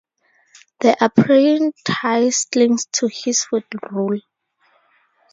The apprentice clings to his foot-rule.